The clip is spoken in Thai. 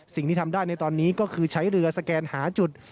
สิ่งที่ทำได้ในตอนนี้ก็คือใช้เรือสแกนหาจุด